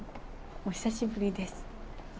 お久しぶりです。